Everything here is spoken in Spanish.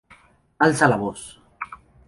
Alza la voz.